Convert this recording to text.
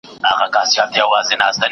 تاسو د غريبانو پوښتنه وکړئ.